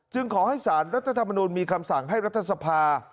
ขอให้สารรัฐธรรมนุนมีคำสั่งให้รัฐสภา